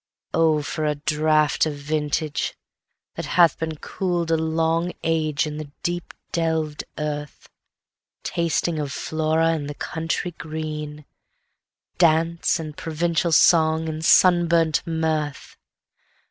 2.O, for a draught of vintage! that hath beenCool'd a long age in the deep delved earth, Tasting of Flora and the country green, Dance, and Provencal song, and sunburnt mirth!